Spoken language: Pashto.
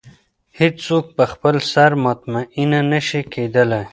هېڅ څوک په خپل سر مطمئنه نه شي کېدلی.